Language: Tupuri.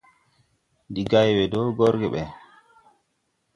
Ndi gay we dɔɔ gɔrge ɓɛ.